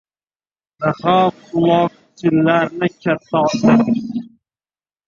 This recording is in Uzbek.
Daho qulochlarini katta ochdi.